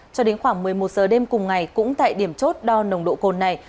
cho đến khoảng một mươi một giờ đêm cùng ngày cũng tại điểm chốt đo nồng độ cồn này